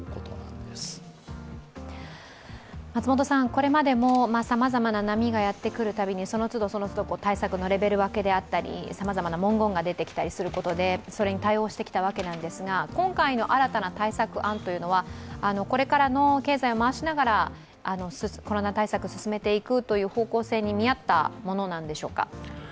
これまでもさまざまな波がやってくるたびにその都度その都度、対策のレベル分けであったりさまざまな文言が出てきたりすることでそれに対応してきたわけですが今回の新たな対策案というのは、これからの経済を回しながらコロナ対策を進めていくという方向性に見合ったものなんでしょうか？